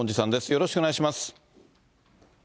よろしくお願いします。